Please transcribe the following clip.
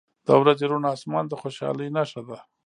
• د ورځې روڼ آسمان د خوشحالۍ نښه ده.